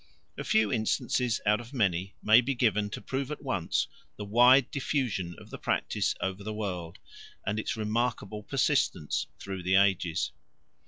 A few instances out of many may be given to prove at once the wide diffusion of the practice over the world and its remarkable persistence through the ages.